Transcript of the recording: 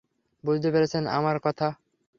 বুঝতে পেরেছেন আমার কথা?